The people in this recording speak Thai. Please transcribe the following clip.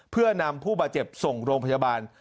เพื่อนำผู้บาดเจ็บส่งโรงพยาบาล